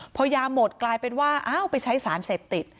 พอยาหมดกลายเป็นว่าอ้าวไปใช้สารเสพติด